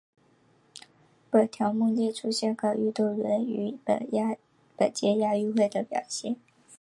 本条目列出香港运动员于本届亚运会的表现。